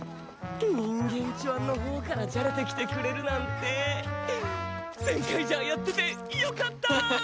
人間ちゅわんのほうからじゃれてきてくれるなんてゼンカイジャーやっててよかったあ！